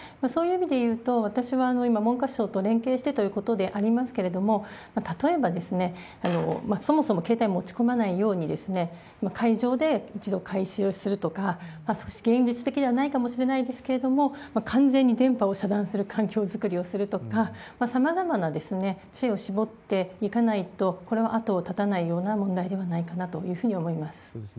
そういう意味でいうと、私は今、文科省と連携してということでありますけれども、例えばですね、そもそも携帯持ち込まないように、会場で一度回収をするとか、少し現実的ではないかもしれないですけれども、完全に電波を遮断する環境作りをするとか、さまざまな知恵を絞っていかないと、これは後を絶たないような問題ではないかなというふうに思います。